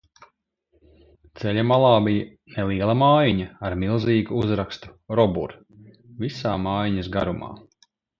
"Ceļa malā bija neliela mājiņa ar milzīgu uzrakstu "Robur", visā mājiņas garumā."